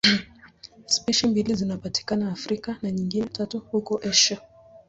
Spishi mbili zinapatikana Afrika na nyingine tatu huko Asia.